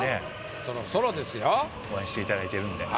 そろそろですよ。応援していただいてるんで。